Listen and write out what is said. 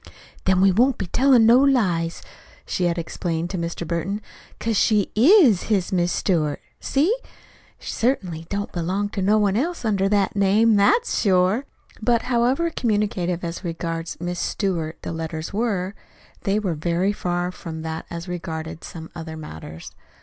"Then we won't be tellin' no lies," she had explained to Mr. Burton, '"cause she IS his 'Miss Stewart.' See? She certainly don't belong to no one else under that name that's sure!" But however communicative as regards "Miss Stewart" the letters were, they were very far from that as regarded some other matters.